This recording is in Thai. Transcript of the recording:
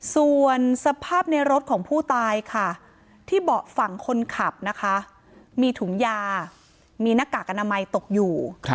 ส่วนสภาพในรถของผู้ตายค่ะที่เบาะฝั่งคนขับนะคะมีถุงยามีหน้ากากอนามัยตกอยู่